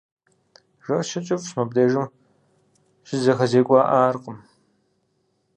Жэщыр кӏыфӏщ, мыбдежым щызэхэзекӏуэӏаркъым.